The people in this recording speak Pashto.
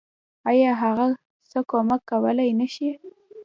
آيا هغه څه کمک کولی نشي.